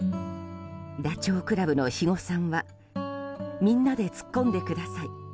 ダチョウ倶楽部の肥後さんはみんなで突っ込んでください